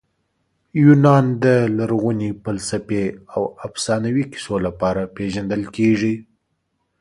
یونان د لرغوني فلسفې او افسانوي کیسو لپاره پېژندل کیږي.